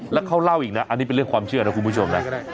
แล้วเขาเล่าอีกนะอันนี้เป็นเรื่องความเชื่อนะคุณผู้ชมนะ